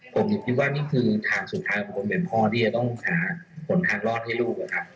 ผมคิดว่านี่คือทางสุดท้ายของคนเป็นพ่อที่จะต้องหาผลทางรอดให้ลูกอะครับ